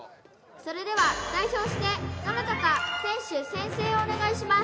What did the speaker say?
それでは代表してどなたか選手宣誓をお願いします